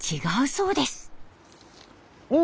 うん！